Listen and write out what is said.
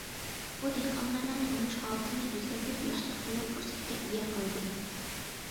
بۇ دېھقانلارنىڭ تۇرمۇش ھالىتىنى ئۆزگەرتىپ، ياخشى، قولاي پۇرسەتكە ئىگە قىلدى.